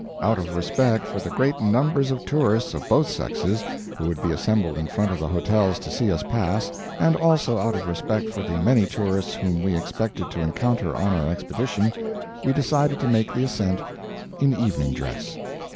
Out of respect for the great numbers of tourists of both sexes who would be assembled in front of the hotels to see us pass, and also out of respect for the many tourists whom we expected to encounter on our expedition, we decided to make the ascent in evening dress.